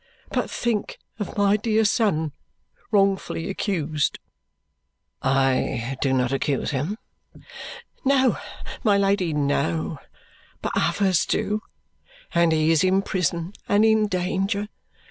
But think of my dear son wrongfully accused." "I do not accuse him." "No, my Lady, no. But others do, and he is in prison and in danger.